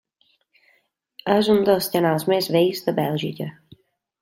És un dels canals més vells de Bèlgica.